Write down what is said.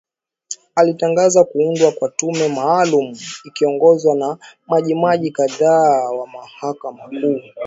alitangaza kuundwa kwa tume maalum ikiongozwa na majaji kadhaa wa mahakama kuu